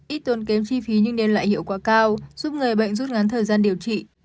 ít tốn kém chi phí nhưng đem lại hiệu quả cao giúp người bệnh rút ngắn thời gian điều trị